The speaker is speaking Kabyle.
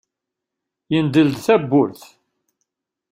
Yendel-d tawwurt.